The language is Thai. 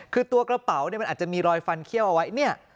คือตัวกระเป๋าเนี่ยมันอาจจะมีรอยฟันเขี้ยวเอาไว้เนี่ย